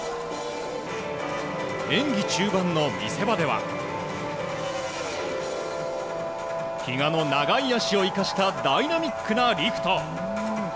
演技中盤の見せ場では比嘉の長い脚を生かしたダイナミックなリフト。